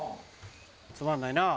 つまんないなぁ。